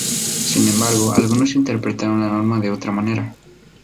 Sin embargo, algunos interpretaron la norma de otra manera.